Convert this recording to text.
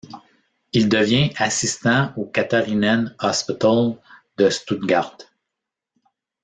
Il devient assistant au Katharinen-Hospital de Stuttgart.